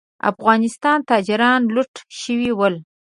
افغانستان تاجران لوټ شوي ول.